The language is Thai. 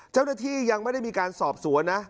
เจ้าหน้าที่ยังไม่ได้มีการสอบสวนนะ